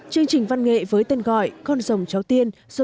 chương trình văn nghệ với tên gọi con rồng trong đời việt nam